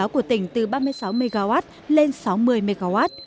của tỉnh từ ba mươi sáu mw lên sáu mươi mw